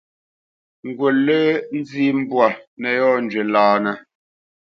Ngut lǝ̂ nzǐ mbwǎ nǝ yɔ́njwǐ lǎnǝ.